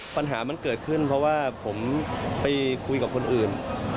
ปัญหามันเกิดขึ้นเพราะว่าผมไปคุยกับคนอื่น